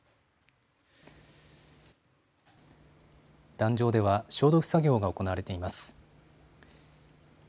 壇上では消毒作業が行われています。